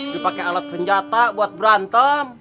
dipakai alat senjata buat berantem